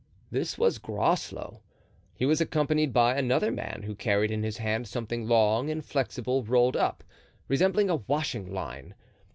This was Groslow. He was accompanied by another man, who carried in his hand something long and flexible rolled up, resembling a washing line.